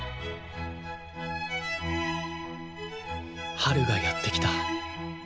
春がやってきた。